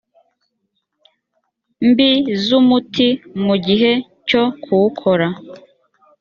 mbi z umuti mu gihe cyo kuwukora